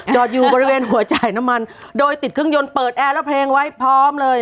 อยู่บริเวณหัวจ่ายน้ำมันโดยติดเครื่องยนต์เปิดแอร์แล้วเพลงไว้พร้อมเลย